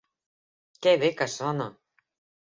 Que bé que sona!